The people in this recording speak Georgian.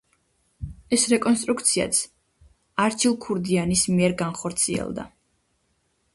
ეს რეკონსტრუქციაც არჩილ ქურდიანის მიერ განხორციელდა.